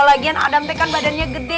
lagian adam te kan badannya gede